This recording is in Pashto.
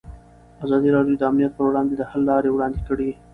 ازادي راډیو د امنیت پر وړاندې د حل لارې وړاندې کړي.